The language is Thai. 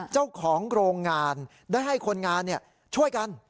เจ้าของโรงงานได้ให้คนงานช่วยกัน